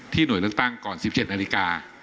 หน่วยเลือกตั้งก่อน๑๗นาฬิกา